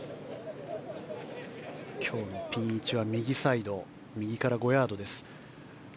今日のピン位置は右サイド右から５ヤードです。